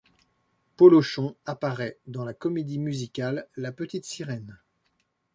Polochon apparaît dans la comédie musicale La Petite Sirène.